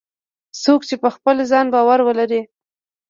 څوک چې په خپل ځان باور ولري